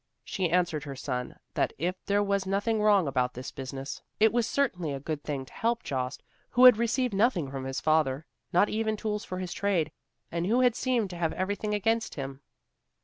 She answered her son that if there was nothing wrong about this business, it was certainly a good thing to help Jost, who had received nothing from his father, not even tools for his trade, and who had seemed to have everything against him.